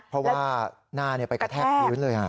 เพราะว่าหน้าไปกระแทกพื้นเลย